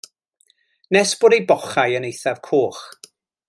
Nes bod ei bochau yn eithaf coch.